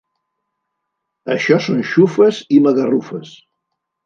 Això són xufes i magarrufes.